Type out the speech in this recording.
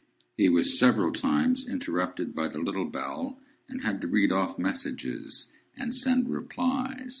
He was several times interrupted by the little bell, and had to read off messages, and send replies.